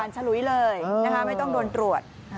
ฉลุยเลยไม่ต้องโดนตรวจ